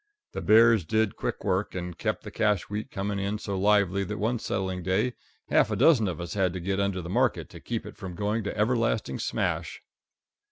The bears did quick work and kept the cash wheat coming in so lively that one settling day half a dozen of us had to get under the market to keep it from going to everlasting smash.